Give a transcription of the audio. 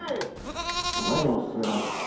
何がお薦めなんですか？